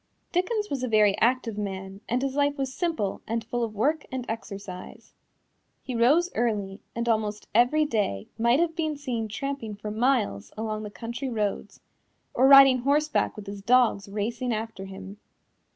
Dickens was a very active man, and his life was simple and full of work and exercise. He rose early and almost every day might have been seen tramping for miles along the country roads, or riding horseback with his dogs racing after him.